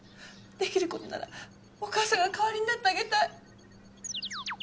出来る事ならお母さんが代わりになってあげたい。